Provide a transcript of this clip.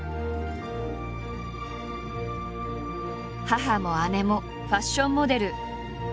母も姉もファッションモデル。